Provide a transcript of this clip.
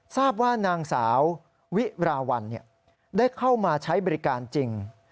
ทราบว่านางสาววิราวัลได้เข้ามาใช้บริการจริง